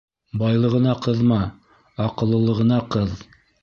Байлығына ҡыҙма, аҡыллылығына ҡыҙ.